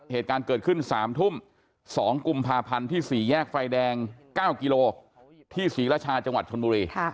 เหตุการณ์เกิดขึ้น๓ทุ่ม๒กุมภาพันธ์ที่๔แยกไฟแดง๙กิโลที่ศรีรชาจังหวัดชนบุรี